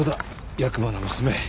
役場の娘。